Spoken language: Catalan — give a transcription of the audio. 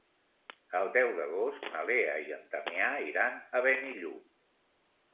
El deu d'agost na Lea i en Damià iran a Benillup.